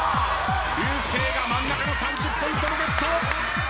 流星が真ん中の３０ポイントもゲット！